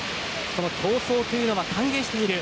その抗争というのは歓迎している。